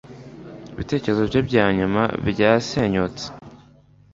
Ibitekerezo bye bya nyuma byasenyutse